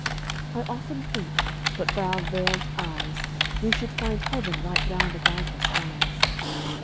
I often think, but for our veiled eyes, We should find Heaven right round about us lies.